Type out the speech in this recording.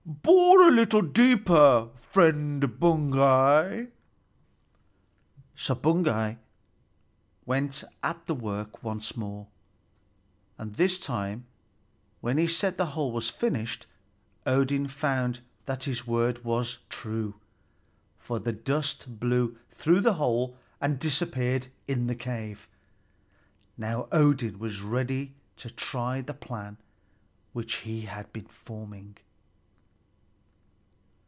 "Bore a little deeper, friend Baugi." So Baugi went at the work once more, and this time when he said the hole was finished, Odin found that his word was true, for the dust blew through the hole and disappeared in the cave. Now Odin was ready to try the plan which he had been forming.